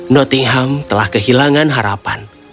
nottingham telah kehilangan harapan